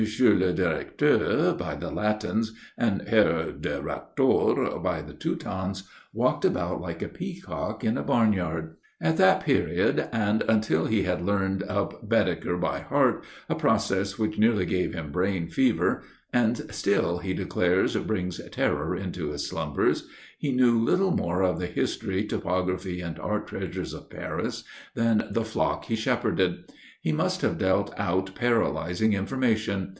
le Directeur" by the Latins, and "Herr Direktor" by the Teutons, walked about like a peacock in a barn yard. [Illustration: HE MUST HAVE DEALT OUT PARALYZING INFORMATION] At that period, and until he had learned up Baedeker by heart, a process which nearly gave him brain fever, and still, he declares, brings terror into his slumbers, he knew little more of the history, topography, and art treasures of Paris than the flock he shepherded. He must have dealt out paralyzing information.